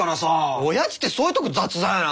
おやじってそういうとこ雑だよな。